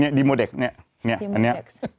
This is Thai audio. นี่ดีโมเด็กซ์นี่นี่อันนี้